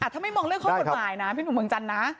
ถ้าไม่มองเรื่องข้อกฎหมายนะพี่หนุ่มเมืองจันทร์นะ